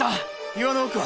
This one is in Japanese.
岩の奥は？